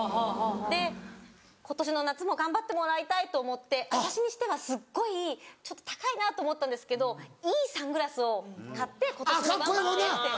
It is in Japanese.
で今年の夏も頑張ってもらいたいと思って私にしてはすっごいちょっと高いなと思ったんですけどいいサングラスを買って「今年も頑張って」って。